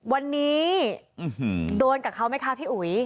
วันนี้โดนกับเขาไหมคะพี่อุ๋ย